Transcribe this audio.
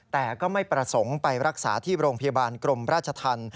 แต่ก็ไม่ประสงค์ไปรักษาที่โรงพยาบาลกรมราชธรรม